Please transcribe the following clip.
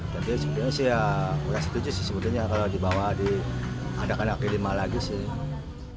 tapi sebetulnya sih ya nggak setuju sih sebetulnya kalau dibawanya ada undangan kelima lagi sih